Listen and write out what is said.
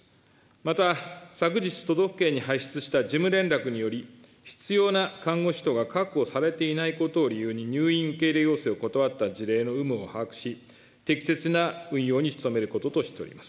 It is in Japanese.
また、昨日、都道府県に発出した事務連絡により、必要な看護師等が確保されていないことを理由に入院受け入れ要請を断った事例の有無を把握し、適切な運用に努めることとしております。